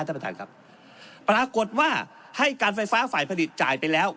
ท่านประธานครับปรากฏว่าให้การไฟฟ้าฝ่ายผลิตจ่ายไปแล้ว